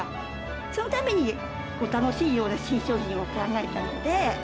そのために楽しいような新商品を考えたので。